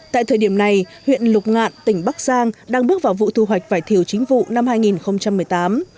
tại thời điểm này huyện lục ngạn tỉnh bắc giang đang bước vào vụ thu hoạch vải thiều chính vụ năm hai nghìn một mươi tám